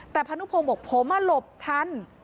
แต่พานุพงศ์บอกผมหลบทัน